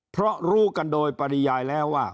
เพราะรู้กันโดยปริยายแล้วว่า